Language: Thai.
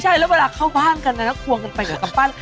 ใช่แล้วเวลาเข้าบ้านกันนะก็ควงกันไปกับกำปั้น